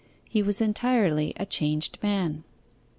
He was entirely a changed man.